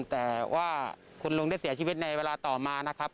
แต่ว่าคุณลุงได้เสียชีวิตในเวลาต่อมานะครับ